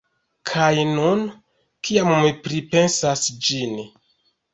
Kaj nun, kiam mi pripensas ĝin.